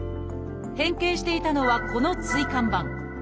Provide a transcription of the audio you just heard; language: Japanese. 変形していたのはこの椎間板。